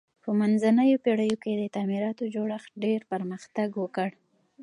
په منځنیو پیړیو کې د تعمیراتو جوړښت ډیر پرمختګ وکړ.